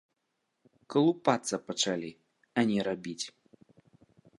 Калупацца пачалі, а не рабіць.